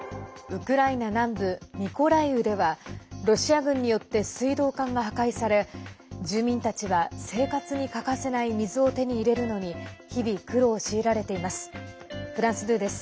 ウクライナ南部ミコライウではロシア軍によって水道管が破壊され住民たちは生活に欠かせない水を手に入れるのに日々、苦労を強いられています。